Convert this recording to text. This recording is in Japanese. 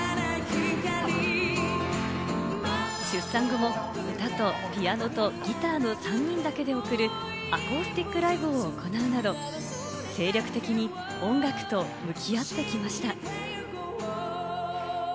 出産後も歌とピアノとギターの３人だけで贈るアコースティックライブを行うなど、精力的に音楽と向き合ってきました。